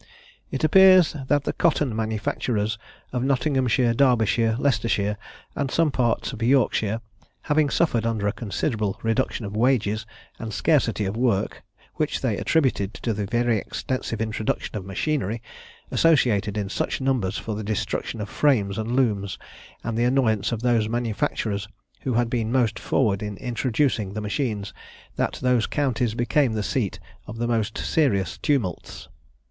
It appears that the cotton manufacturers of Nottinghamshire, Derbyshire, Leicestershire, and some parts of Yorkshire, having suffered under a considerable reduction of wages and scarcity of work, which they attributed to the very extensive introduction of machinery, associated in such numbers for the destruction of frames and looms, and the annoyance of those manufacturers who had been most forward in introducing the machines, that those counties became the seat of the most serious tumults.